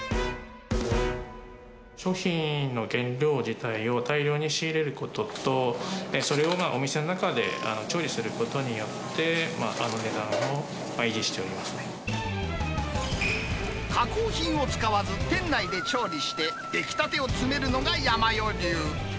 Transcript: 商品の原料自体を大量に仕入れることと、それをお店の中で調理することによって、加工品を使わず、店内で調理して、出来たてを詰めるのがヤマヨ流。